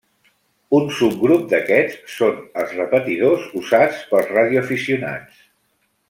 Un subgrup d'aquests són els repetidors usats pels radioaficionats.